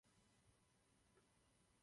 Má silné lovecké pudy.